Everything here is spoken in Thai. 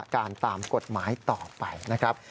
การตามกฎหมายต่อไปนะครับ